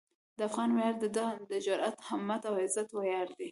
د افغان ویاړ د ده د جرئت، همت او عزت ویاړ دی.